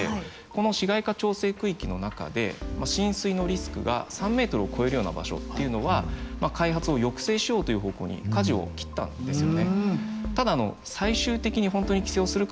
この市街化調整区域の中で浸水のリスクが３ｍを超えるような場所っていうのは開発を抑制しようという方向にかじを切ったんですよね。